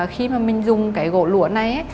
khi mà mình dùng cái gỗ lũa này